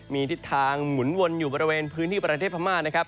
มีทิศทางหมุนวนอยู่บริเวณพื้นที่ประเทศพม่านะครับ